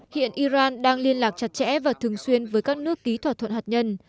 hiện iran đang liên lạc chặt chẽ và thường xuyên với các nước ký thỏa thuận hạt nhân